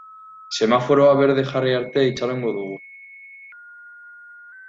Semaforoa berde jarri arte itxarongo dugu.